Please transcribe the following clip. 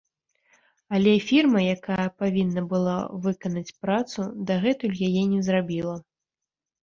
Але фірма, якая павінна была выканаць працу, дагэтуль яе не зрабіла.